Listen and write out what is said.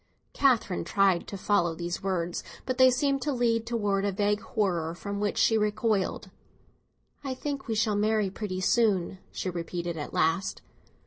Catherine tried to follow these words, but they seemed to lead towards a vague horror from which she recoiled. "I think we shall marry pretty soon," she repeated at last.